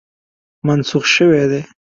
منسوخ شوی دی.